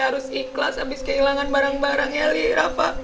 kita harus ikhlas abis kehilangan barang barang ya li rafa